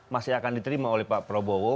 masih akan diterima oleh pak prabowo